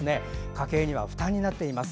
家計には負担になっています。